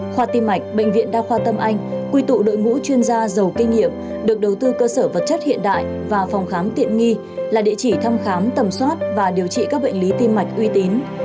khoa tim mạch bệnh viện đa khoa tâm anh quy tụ đội ngũ chuyên gia giàu kinh nghiệm được đầu tư cơ sở vật chất hiện đại và phòng khám tiện nghi là địa chỉ thăm khám tầm soát và điều trị các bệnh lý tim mạch uy tín